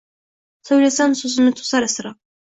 So’ylasam ko’zimni to’sar iztirob